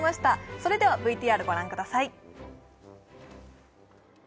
それではＶＴＲご覧ください